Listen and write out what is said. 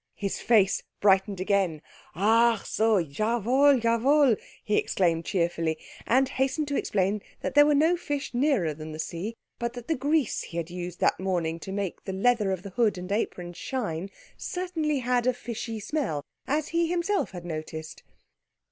His face brightened again. "Ach so jawohl, jawohl," he exclaimed cheerfully; and hastened to explain that there were no fish nearer than the sea, but that the grease he had used that morning to make the leather of the hood and apron shine certainly had a fishy smell, as he himself had noticed.